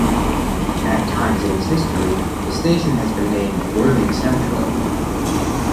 At times in its history the station has been named Worthing Central.